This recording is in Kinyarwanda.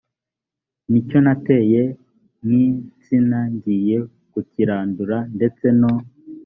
n icyo nateye nk insina ngiye kukirandura ndetse no